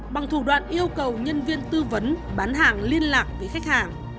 bằng thủ đoạn yêu cầu nhân viên tư vấn bán hàng liên lạc với khách hàng